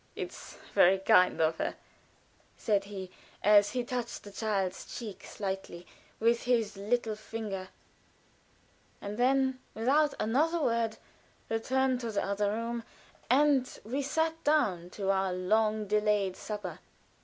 "It's very kind of her," said he, as he touched the child's cheek slightly with his little finger, and then, without another word, returned to the other room, and we sat down to our long delayed supper.